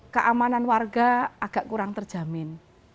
keamanan warga agak kurang terjamin